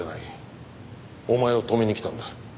お前を止めに来たんだ。